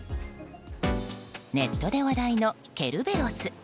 ネットで話題のケルベロス。